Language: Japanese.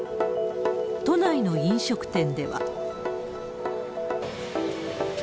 都内の飲食店では。